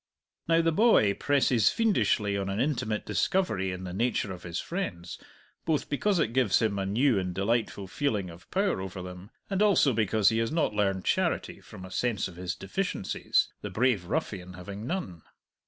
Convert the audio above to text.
Now the boy presses fiendishly on an intimate discovery in the nature of his friends, both because it gives him a new and delightful feeling of power over them, and also because he has not learned charity from a sense of his deficiencies, the brave ruffian having none.